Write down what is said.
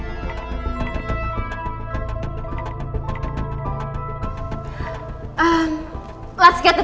kau gak sudah tahu